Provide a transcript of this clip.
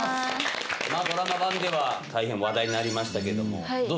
ドラマ版では大変話題になりましたけどもどう？